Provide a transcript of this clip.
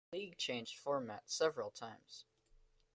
The league changed format several times.